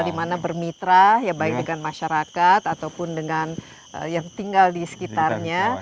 dimana bermitra ya baik dengan masyarakat ataupun dengan yang tinggal di sekitarnya